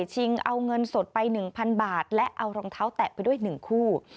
ชิงเอาเงินสดไป๑๐๐๐บาทและเอารองเท้าแตะไปด้วย๑คู่